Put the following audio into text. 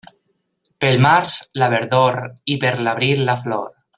Pel març, la verdor, i per l'abril, la flor.